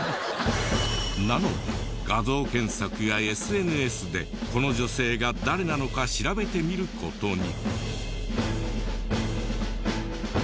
なので画像検索やＳＮＳでこの女性が誰なのか調べてみる事に。